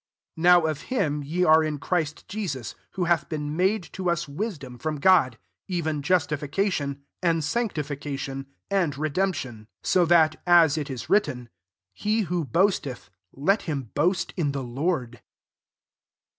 * 30 Now of him ye are in Christ Jesus, who hath been made to us wisdom from God, even justi fication, and sanctification, and redemption: 31 so that, as it is written, " He who boasteth, let him boast in the Lord.'